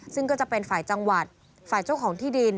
ซึ่งก็จะเป็นฝ่ายจังหวัดฝ่ายเจ้าของที่ดิน